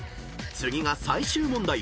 ［次が最終問題］